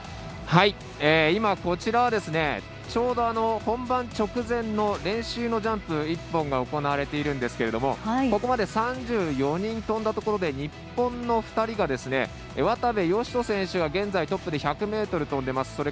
こちらは、ちょうど本番直前の練習のジャンプ１本が行われているんですけどここまで３４人飛んだところで日本の２人が渡部善斗選手がトップで１００ｍ飛んでいます。